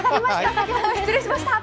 先ほどは失礼しました。